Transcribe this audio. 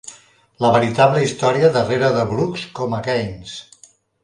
La veritable història darrere de Brooks com a Gaines.